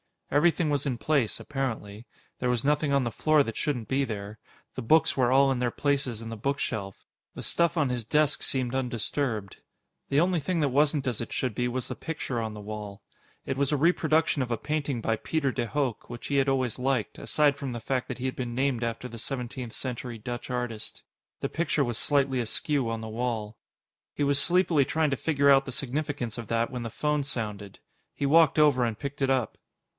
Everything was in place, apparently. There was nothing on the floor that shouldn't be there. The books were all in their places in the bookshelf. The stuff on his desk seemed undisturbed. The only thing that wasn't as it should be was the picture on the wall. It was a reproduction of a painting by Pieter de Hooch, which he had always liked, aside from the fact that he had been named after the seventeenth century Dutch artist. The picture was slightly askew on the wall. He was sleepily trying to figure out the significance of that when the phone sounded. He walked over and picked it up.